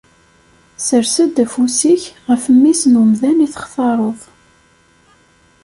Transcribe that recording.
Ssers-d ayeffus-ik ɣef mmi-s n umdan i textareḍ.